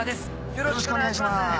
よろしくお願いします。